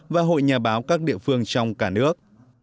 và hội nhà báo các địa phương trong cả nước